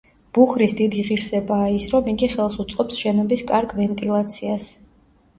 ბუხრის დიდი ღირსებაა ის, რომ იგი ხელს უწყობს შენობის კარგ ვენტილაციას.